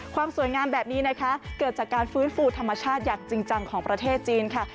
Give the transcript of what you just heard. ความสวยงามแบบนี้นะคะเกิดจากการฟื้นฟูธรรมชาติอย่างจริงจังของประเทศจีนค่ะ